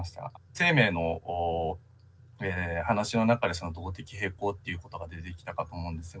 生命の話の中で動的平衡っていうことが出てきたかと思うんですが